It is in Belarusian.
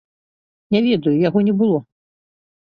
Не ведаю, яго не было.